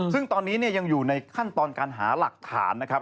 ซึ่งตอนนี้ยังอยู่ในขั้นตอนการหาหลักฐานนะครับ